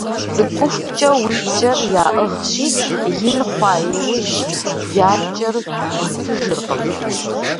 Цӏыкӏухукӏэ уи кӏэр яӏыгъщи, ин хъуа иужь я кӏэр бгъуэтыжыркъым.